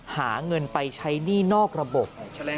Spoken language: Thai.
หาเงินไปใช้หนี้นอกระบบ